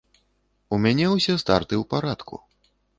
У мяне ўсе старты ў парадку.